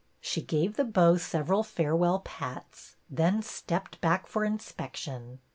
She gave the bow several farewell pats, then stepped back for inspection.